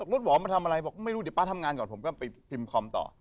รถหวอมาทำอะไรบอกไม่รู้เดี๋ยวป๊าทำงานก่อนผมก็ไปพิมพ์คอมต่อ